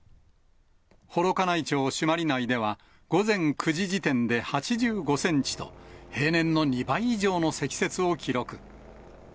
幌加内町朱鞠内では、午前９時時点で８５センチと、平年の２倍以上の積雪を記録。